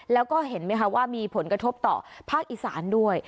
แล้วก็เห็นไหมคะว่ามีผลกระทบต่อภาคอีสานด้วย